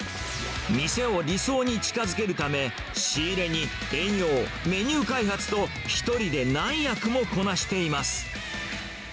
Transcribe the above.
店を理想に近づけるため、仕入れに営業、メニュー開発と、１人で何役もこなしています。